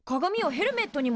ヘルメットに？